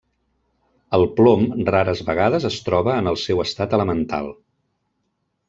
El plom rares vegades es troba en el seu estat elemental.